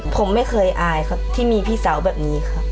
ผมไม่เคยอายครับที่มีพี่สาวแบบนี้ครับ